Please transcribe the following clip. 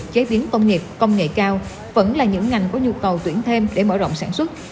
chế biến công nghiệp công nghệ cao vẫn là những ngành có nhu cầu tuyển thêm để mở rộng sản xuất